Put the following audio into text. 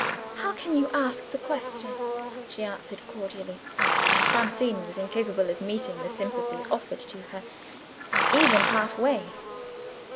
"How can you ask the question?" she answered cordially. Francine was incapable of meeting the sympathy offered to her, even half way.